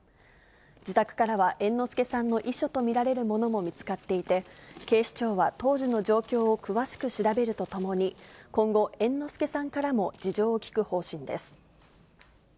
自宅からは猿之助さんの遺書と見られるものも見つかっていて、警視庁は当時の状況を詳しく調べるとともに、今後、猿之助さんからも事情を聴く方針です。